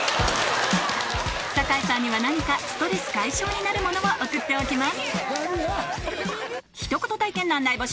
酒井さんには何かストレス解消になるものを送っておきます